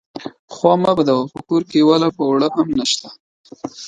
_خوا مه بدوه، په کور کې يوه لپه اوړه هم نشته.